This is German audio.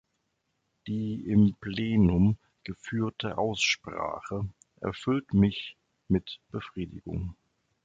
Die im Plenum geführte Aussprache erfüllt mich mit Befriedigung.